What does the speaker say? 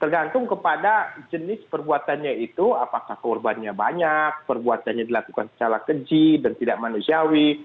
tergantung kepada jenis perbuatannya itu apakah korbannya banyak perbuatannya dilakukan secara keji dan tidak manusiawi